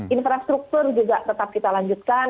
infrastruktur juga tetap kita lanjutkan